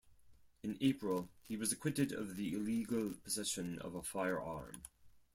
In April he was acquitted of the illegal possession of a firearm.